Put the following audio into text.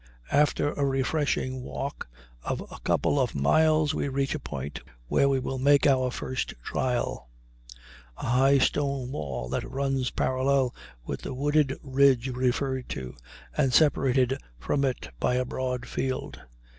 After a refreshing walk of a couple of miles we reach a point where we will make our first trial, a high stone wall that runs parallel with the wooded ridge referred to, and separated from it by a broad field.